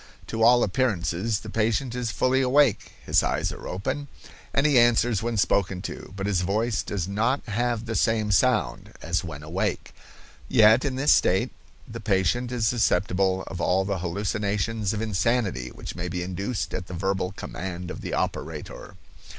To all appearances, the patient is fully awake, his eyes are open, and he answers when spoken to, but his voice does not have the same sound as when awake. Yet, in this state the patient is susceptible of all the hallucinations of insanity which may be induced at the verbal command of the operator.